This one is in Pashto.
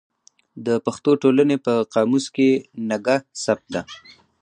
د پښتو ټولنې په قاموس کې نګه ثبت ده.